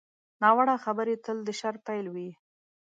ناوړه خبرې تل د شر پیل وي